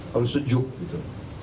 harus sejuk gitu